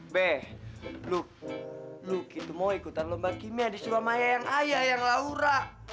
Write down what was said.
be lo lo gitu mau ikutan lembaga kimia disuruh sama ayah yang ayah yang lahura